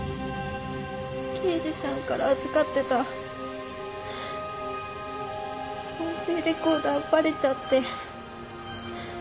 刑事さんから預かってた音声レコーダーバレちゃって